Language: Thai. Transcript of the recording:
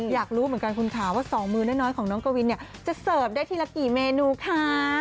อยากรู้เหมือนกันคุณค่ะว่าสองมือน้อยของน้องกวินเนี่ยจะเสิร์ฟได้ทีละกี่เมนูคะ